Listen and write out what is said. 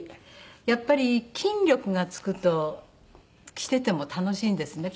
やっぱり筋力が付くと着てても楽しいんですね。